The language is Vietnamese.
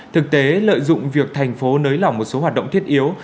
thực tế lợi dụng việc thành phố nới lỏng một số hoạt động thiết yếu